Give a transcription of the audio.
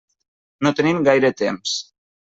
No tenim gaire temps.